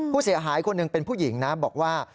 ผู้เสียหายคนหนึ่งเป็นผู้หญิงนะบอกว่า